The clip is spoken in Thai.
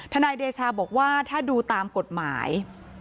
นายเดชาบอกว่าถ้าดูตามกฎหมาย